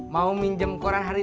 mau minjem korang hari